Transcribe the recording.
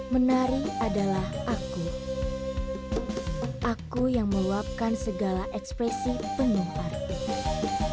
menari adalah aku aku yang meluapkan segala ekspresi penuh arti